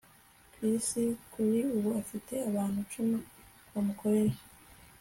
Chris kuri ubu afite abantu icumi bamukorera